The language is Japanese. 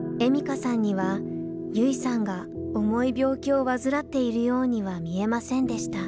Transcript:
花さんには優生さんが重い病気を患っているようには見えませんでした。